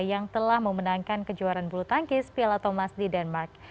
yang telah memenangkan kejuaraan bulu tangkis piala thomas di denmark